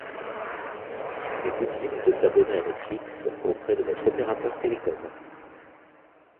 Il est possible de s'abonner à Netflix auprès de votre opérateur télécoms.